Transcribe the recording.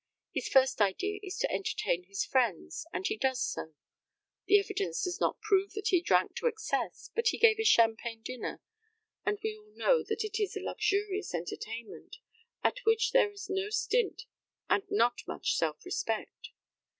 His first idea is to entertain his friends, and he does so. The evidence does not prove that he drank to excess, but he gave a champagne dinner, and we all know that is a luxurious entertainment, at which there is no stint and not much self respect.